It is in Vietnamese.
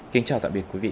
kính chào tạm biệt quý vị